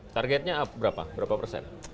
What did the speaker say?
targetnya berapa berapa persen